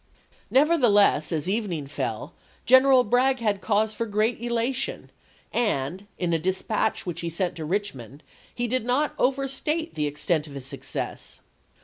Nevertheless, as evening fell, General Bragg had cause for great elation and, in a dispatch which he sent to Richmond, he did not overstate the extent of his success.